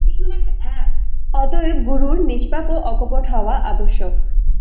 অতএব গুরুর নিষ্পাপ ও অকপট হওয়া আবশ্যক।